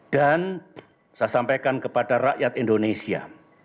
dan saya sampaikan kepada rakyat indonesia